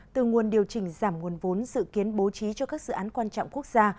từ nguồn điều chỉnh giảm nguồn vốn dự kiến bố trí cho các dự án quan trọng quốc gia